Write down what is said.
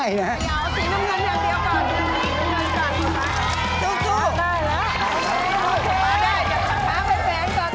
สีน้ำเงินเฉยก่อน